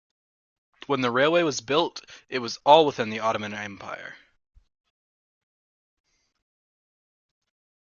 When the railway was built it was all within the Ottoman Empire.